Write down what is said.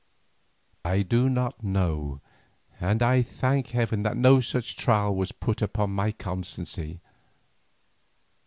I do not know, and I thank heaven that no such trial was put upon my constancy.